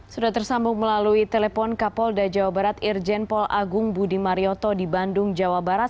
sudah tersambung melalui telepon kapolda jawa barat irjen paul agung budi marioto di bandung jawa barat